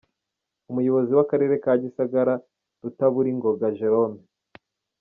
Umuyobozi w’akarere ka Gisagara Rutaburingoga Jérôme.